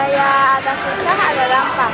ya ada susah agak gampang